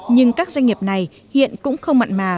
nhưng các doanh nghiệp này hiện cũng không mặn mà